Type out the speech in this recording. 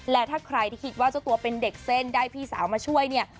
และถ้าใครที่คิดว่าเจ้าตัวเป็นเด็กเส้นได้พี่สาวมาช่วยเนี่ย